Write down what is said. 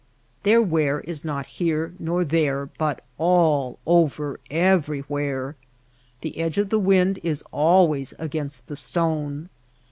Their wear is not here nor there^ but all over, everywhere. The edge of the wind is always against the stone.